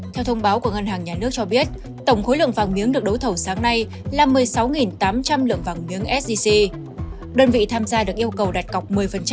theo thông báo của ngân hàng nhà nước cho biết tổng khối lượng vàng miếng được đấu thầu sáng nay là một mươi sáu tám trăm linh lượng vàng miếng sdc